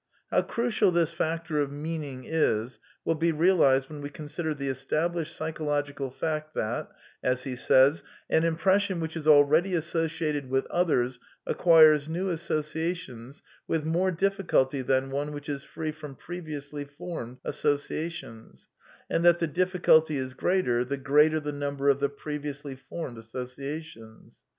'^ How crucial this factor of meanin g is will be realized when we consider the established psychological fact that '' an impression which is already associated with others acquires new associations with more difficulty than one which is free from previously formed associations, and that the difficulty is greater the greater the number of the previously formed associations."